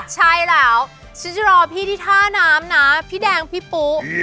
ใช่แล้วฉันจะรอพี่ที่ท่าน้ำนะพี่แดงพี่ปุ๊